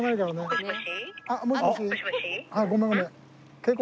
ごめんごめん。